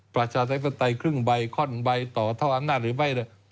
ประชาธิปไตยครึ่งใบข้อนใบต่อเท่าอำนาจหรือไม่